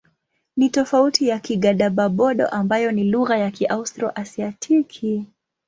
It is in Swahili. Ni tofauti na Kigadaba-Bodo ambayo ni lugha ya Kiaustro-Asiatiki.